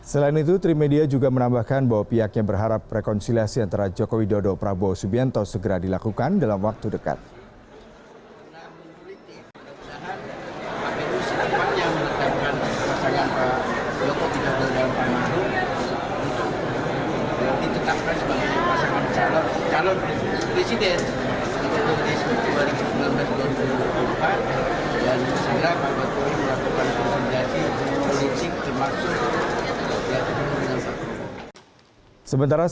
selain itu tri media juga menambahkan bahwa pihaknya berharap rekonsiliasi antara jokowi dodo prabowo subianto segera dilakukan dalam waktu dekat